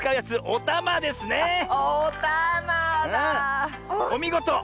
おみごと！